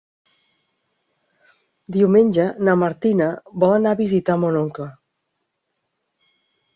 Diumenge na Martina vol anar a visitar mon oncle.